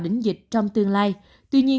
đỉnh dịch trong tương lai tuy nhiên